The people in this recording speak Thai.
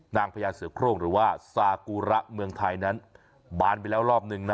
พญาเสือโครงหรือว่าซากุระเมืองไทยนั้นบานไปแล้วรอบนึงนะ